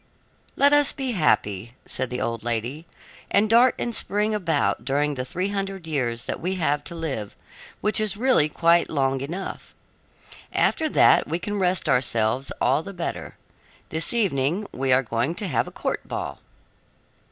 "Let us be happy," said the old lady, "and dart and spring about during the three hundred years that we have to live, which is really quite long enough. After that we can rest ourselves all the better. This evening we are going to have a court ball."